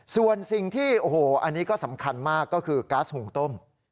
ส่วนสิ่งที่โอ้โหอันนี้ก็สำคัญมากก็คือก๊าซหุงต้ม